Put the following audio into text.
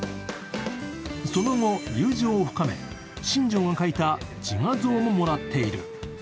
その後、友情を深め、新庄が描いた自画像ももらっている。